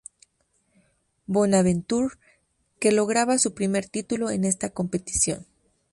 Bonaventure, que lograba su primer título en esta competición.